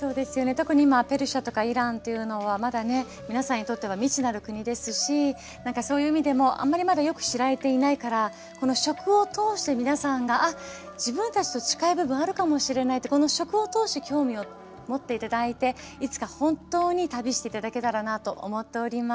特に今ペルシャとかイランっていうのはまだね皆さんにとっては未知なる国ですしなんかそういう意味でもあんまりまだよく知られていないからこの食を通して皆さんが自分たちと近い部分あるかもしれないってこの食を通して興味を持って頂いていつか本当に旅して頂けたらなと思っております。